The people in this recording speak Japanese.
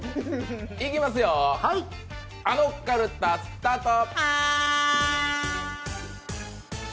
いきますよ、あのカルタ、スタート。